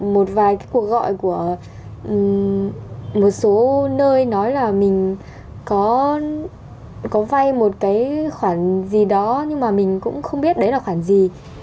một số nơi nói là mình có vay một cái khoản gì đó nhưng mà mình cũng không biết đấy là khoản gì